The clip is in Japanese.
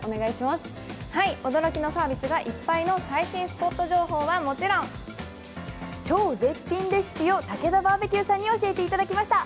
驚きのサービスがいっぱいの最新スポット情報はもちろん超絶品レシピをたけだバーベキューさんに教えていただきました。